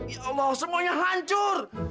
ya allah semuanya hancur